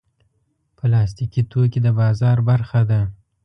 پلاستيکي توکي د بازار برخه ده.